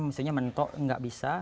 maksudnya mentok nggak bisa